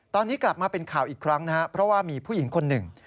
ตอนนี้กลับมาเป็นข่าวอีกครั้งนะครับเพราะว่ามีผู้หญิงคนหนึ่ง